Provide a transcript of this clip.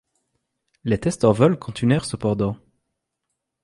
Les tests en vol continuèrent cependant.